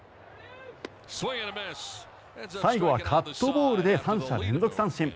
最後はカットボールで３者連続三振。